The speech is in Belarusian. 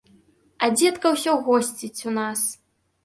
А дзедка ўсё госціць у нас!